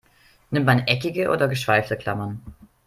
Nimmt man eckige oder geschweifte Klammern?